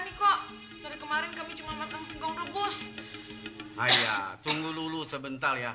nih kok dari kemarin kami cuma ngapain seganggu bus ayah tunggu lulu sebentar ya